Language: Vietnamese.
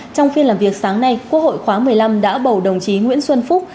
trong phiên làm việc sáng nay quốc hội khóa một mươi năm đã bầu đồng chí nguyễn xuân phúc